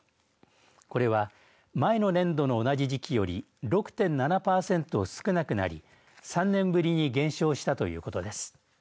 これは前の年度の同じ時期より６．７パーセント少なくなり３年ぶりに減少したということです。